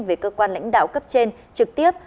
về cơ quan lãnh đạo cấp trên trực tiếp